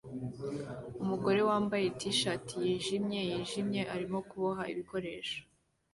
Umugore wambaye T-shati yijimye yijimye arimo kuboha ibikoresho